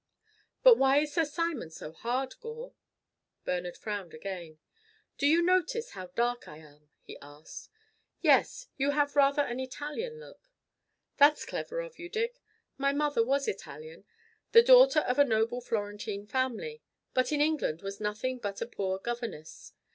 "But why is Sir Simon so hard, Gore?" Bernard frowned again. "Do you notice how dark I am?" he asked. "Yes! You have rather an Italian look." "That's clever of you, Dick. My mother was Italian, the daughter of a noble Florentine family; but in England was nothing but a poor governess.